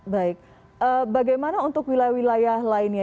baik bagaimana untuk wilayah wilayah lainnya